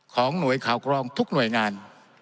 ของหน่วยข่าวกรองทุกหน่วยงาน